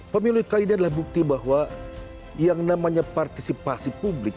pemilu kali ini adalah bukti bahwa yang namanya partisipasi publik